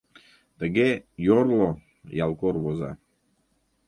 Тыге «Йорло» ялкор воза.